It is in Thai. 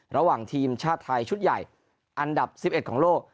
ระหว่างทีมชาติไทยชุดใหญ่อันดับ๑๑ของโลก